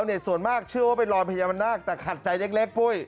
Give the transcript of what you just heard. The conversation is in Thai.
ส่วนมากเชื่อว่าเป็นรอยพญานาคแต่ขัดใจเล็กปุ้ย